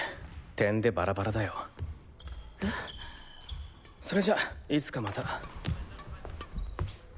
てんでバラバラだよ。え？それじゃいつかまた。